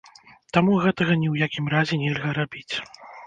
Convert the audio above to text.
Таму гэтага ні ў якім разе нельга рабіць.